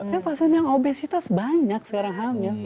ya maksudnya obesitas banyak sekarang hamil